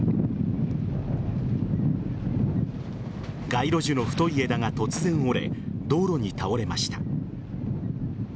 街路樹の太い枝が突然折れ道路に倒れました。